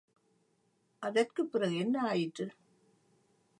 அதற்குப் பிறகு என்ன ஆயிற்று?